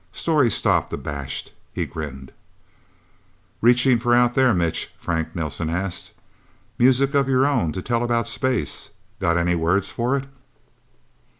Storey stopped, abashed. He grinned. "Reaching for Out There, Mitch?" Frank Nelsen asked. "Music of your own, to tell about space? Got any words for it?"